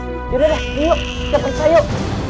yaudah yaudah yuk depan saya yuk